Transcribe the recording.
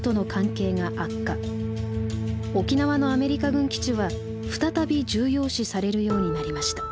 沖縄のアメリカ軍基地は再び重要視されるようになりました。